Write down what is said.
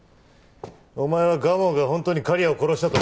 お前は蒲生が本当に刈谷を殺したと。